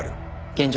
現状